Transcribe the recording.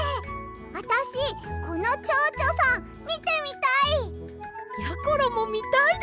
あたしこのチョウチョさんみてみたい！やころもみたいです！